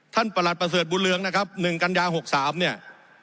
ประหลัดประเสริฐบุญเรืองนะครับ๑กันยา๖๓เนี่ย